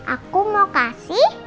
aku mau kasih